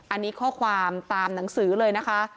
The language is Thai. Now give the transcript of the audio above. อันนี้ข้อความตามหนังสือเลยนะคะ